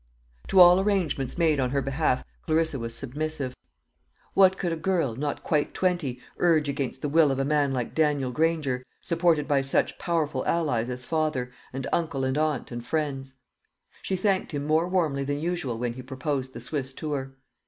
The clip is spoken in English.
To all arrangements made on her behalf Clarissa was submissive. What could a girl, not a quite twenty, urge against the will of a man like Daniel Granger, supported by such powerful allies as father, and uncle and aunt, and friends? She thanked him more warmly than usual when he proposed the Swiss tour.